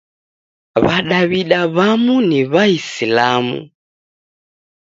W'adaw'ida w'amu ni W'aisilamu.